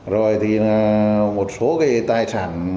rồi thì là một số cái tài sản